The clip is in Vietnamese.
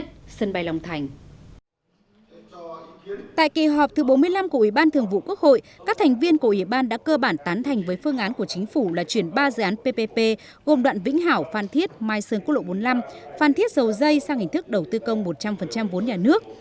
từ ủy ban thường vụ quốc hội các thành viên của ủy ban đã cơ bản tán thành với phương án của chính phủ là chuyển ba dự án ppp gồm đoạn vĩnh hảo phan thiết mai sơn quốc lộ bốn mươi năm phan thiết dầu dây sang hình thức đầu tư công một trăm linh vốn nhà nước